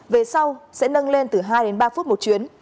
về sau sẽ nâng lên từ hai đến ba phút một chuyến